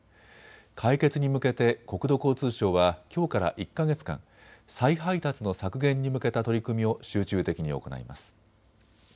解決に向けて国土交通省はきょうから１か月間、再配達の削減に向けた取り組みを集中的に行います。